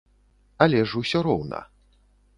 Але ж усё роўна.